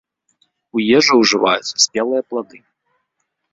У ежу ўжываюць спелыя плады.